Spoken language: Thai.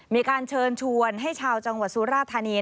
มีการเชิญชวนให้ชาวจังหวัดสุราธานี